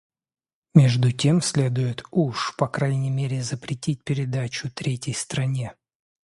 Между тем следует уж по крайней мере запретить передачу третьей стране.